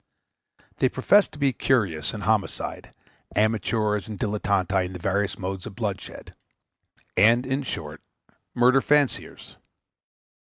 They profess to be curious in homicide; amateurs and dilettanti in the various modes of bloodshed; and, in short, Murder Fanciers.